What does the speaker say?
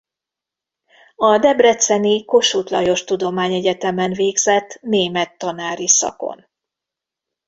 A debreceni Kossuth Lajos Tudományegyetemen végzett német tanári szakon.